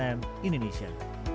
dari ipotan cnn indonesia